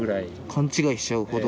勘違いしちゃうほど。